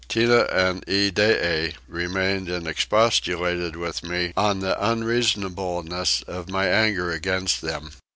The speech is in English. Tinah and Iddeah remained and expostulated with me on the unreasonableness of my anger against them.